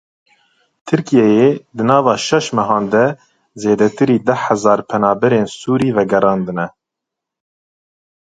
Tirkiyeyê di nava şeş mehan de zêdetirî deh hezar penaberên Sûrî vegerandine.